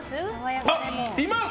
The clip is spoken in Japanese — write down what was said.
います！